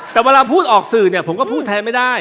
แต่เวลาพูดออกสื่อเนี่ยผมก็พูดแทนไม่ได้